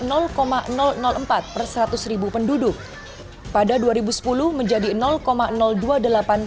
nol koma nol nol empat per seratus penduduk pada dua ribu sepuluh menjadi nol koma nol dua delapan